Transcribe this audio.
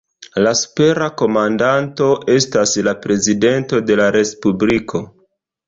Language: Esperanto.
La supera komandanto estas la prezidento de la Respubliko.